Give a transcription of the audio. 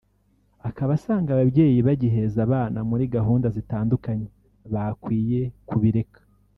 akaba asanga ababyeyi bagiheza abana muri gahunda zitandukanye bakwiye kubireka